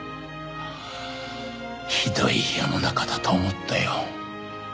ひどい世の中だと思ったよ。